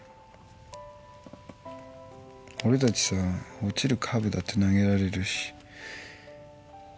俺たちさ落ちるカーブだって投げられるし敬太と